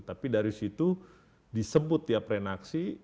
tapi dari situ disebut tiap renaksi